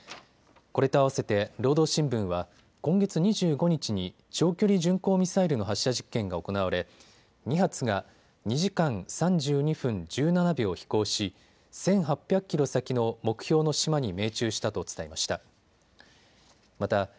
これとあわせて労働新聞は今月２５日に長距離巡航ミサイルの発射実験が行われ２発が２時間３２分１７秒飛行し１８００キロ先の目標の島に命中したと伝えました。